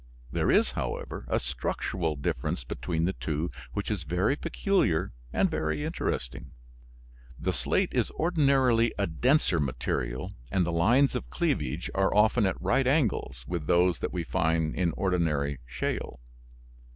There is, however, a structural difference between the two which is very peculiar and very interesting. The slate is ordinarily a denser material and the lines of cleavage are often at right angles with those that we find in ordinary shale.